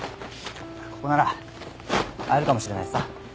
ここなら会えるかもしれないしさ。